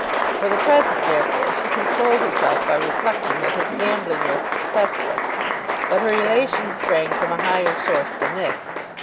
For the present, therefore, she consoled herself by reflecting that his gambling was successful. But her elation sprung from a higher source than this.